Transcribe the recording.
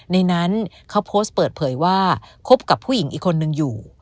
ในนั้นเขาโพสต์เปิดเผยว่าคบกับผู้หญิงอีกคนนึงอยู่